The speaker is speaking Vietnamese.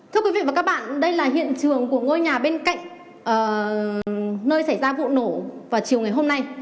thưa quý vị và các bạn đây là hiện trường của ngôi nhà bên cạnh nơi xảy ra vụ nổ vào chiều ngày hôm nay